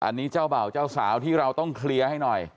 อันนี้เจ้าบ่าวเจ้าสาวที่เราต้องเคลียร์ให้หน่อย